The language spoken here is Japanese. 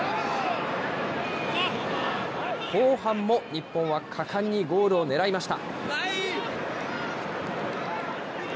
後半も日本は果敢にゴールを狙いました。